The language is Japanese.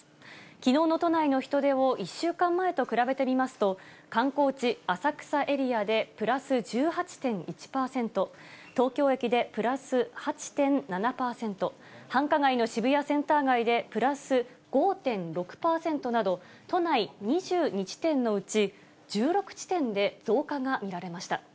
きのうの都内の人出を１週間前と比べてみますと、観光地、浅草エリアでプラス１８．１％、東京駅でプラス８．７％、繁華街の渋谷センター街でプラス５．６％など、都内２２地点のうち、１６地点で増加が見られました。